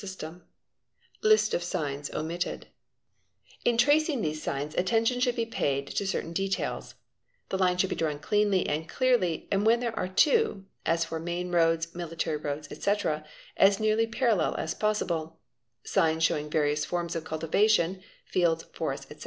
Cistern, 464 DRAWING AND ALLIED ARTS In tracing these signs attention should be paid to certain details ; the lines should be drawn cleanly and clearly and when there are two (as for © main roads, military roads, etc.) as nearly parallel as possible; signs show ing various forms of cultivation (fields, forests, etc.)